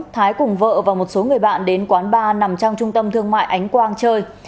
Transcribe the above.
thái cùng vợ và một số người bạn đến quán bar nằm trong trung tâm thương mại ánh quang chơi